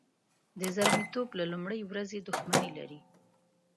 د زلمیتوب له لومړۍ ورځې دښمني لري.